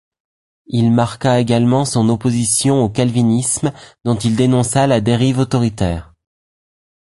Il marqua également son opposition au calvinisme dont il dénonça la dérive autoritaire.